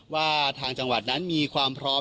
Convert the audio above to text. ว่าทางจังหวัดนั้นมีความพร้อม